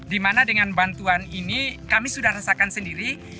dimana dengan bantuan ini kami sudah rasakan sendiri